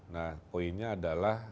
nah poinnya adalah